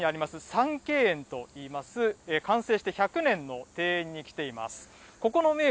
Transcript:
三溪園といいます、完成して１００年の庭園に来ています。